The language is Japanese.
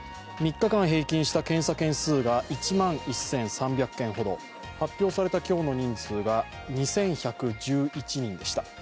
３日間平均した検査件数が１万１３００件ほど、発表された今日の人数が２１１１人でした。